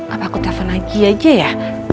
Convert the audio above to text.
apa aku telfon lagi aja ya